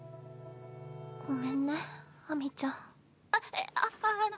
ごめんね秋水ちゃん。あっえっああの。